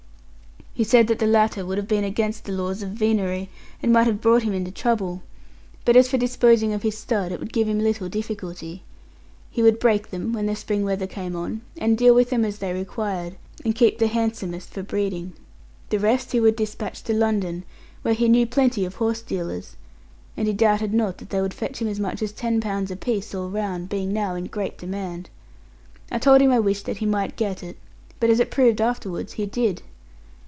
He said that the latter would have been against the laws of venery, and might have brought him into trouble, but as for disposing of his stud, it would give him little difficulty. He would break them, when the spring weather came on, and deal with them as they required, and keep the handsomest for breeding. The rest he would despatch to London, where he knew plenty of horse dealers; and he doubted not that they would fetch him as much as ten pounds apiece all round, being now in great demand. I told him I wished that he might get it; but as it proved afterwards, he did.